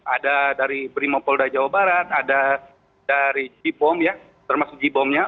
ada dari brimopolda jabar ada dari j bom ya termasuk j bom nya